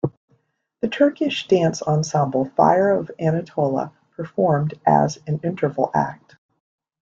The Turkish dance ensemble Fire of Anatolia performed as the interval act.